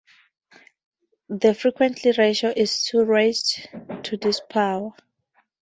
The frequency ratio is two raised to this power.